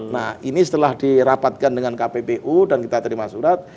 nah ini setelah dirapatkan dengan kppu dan kita terima surat